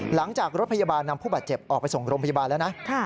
หลังจากรถพยาบาลนำผู้บาดเจ็บออกไปส่งโรงพยาบาลแล้วนะ